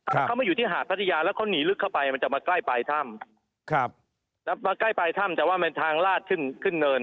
ถ้าเขามาอยู่ที่หาดพัทยาแล้วเขาหนีลึกเข้าไปมันจะมาใกล้ปลายถ้ำครับแล้วมาใกล้ปลายถ้ำแต่ว่าเป็นทางลาดขึ้นขึ้นเนิน